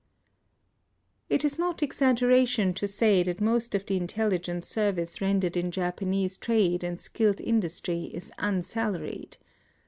It is not exaggeration to say that most of the intelligent service rendered in Japanese trade and skilled industry is unsalaried.